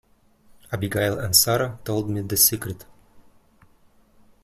Abigail and Sara told me the secret.